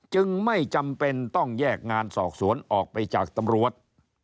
จึงไม่จำเป็นต้องแยกงานสอบสวนออกไปจากตำรวจ